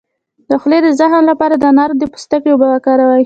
د خولې د زخم لپاره د انار د پوستکي اوبه وکاروئ